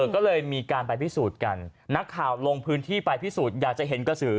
ก็เลยมีการไปพิสูจน์กันนักข่าวลงพื้นที่ไปพิสูจน์อยากจะเห็นกระสือ